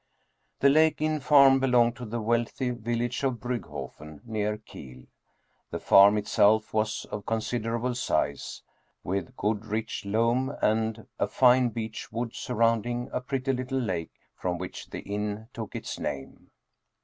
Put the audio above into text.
The Lake Inn farm belonged to the wealthy village of Briigghofen, near Kiel. The farm itself was of consider able size, with good rich loam and a fine beach wood sur rounding a pretty little lake from which the inn took its name.